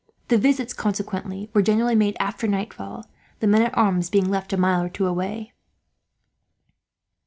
The visits, consequently, were generally made after nightfall; the men at arms being left a mile or two away.